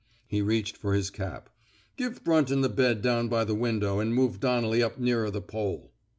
He reached for his cap. Give Brunton the bed down by the window an' move Donnelly up nearer the pole."